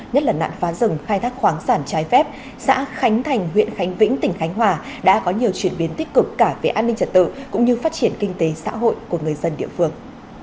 nhất là nạn phá rừng khai thác khoáng sản trái phép xã khánh thành huyện khánh vĩnh tỉnh khánh hòa đã có nhiều chuyển biến tích cực cả về an ninh trật tự cũng như phát triển kinh tế xã hội của người dân địa phương